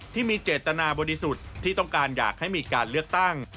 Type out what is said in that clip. ที่มีเจตนาบริสุทธิ์ที่ต้องการอยากให้มีการเลือกตั้ง